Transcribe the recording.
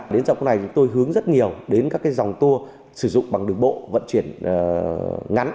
đến dòng này chúng tôi hướng rất nhiều đến các dòng tour sử dụng bằng đường bộ vận chuyển ngắn